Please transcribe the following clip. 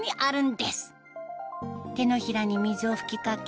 手のひらに水を吹きかけ